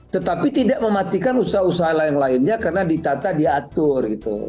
tetapi tidak mematikan usaha usaha yang lainnya karena ditata diatur gitu